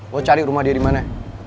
lo cari rumah dia dimana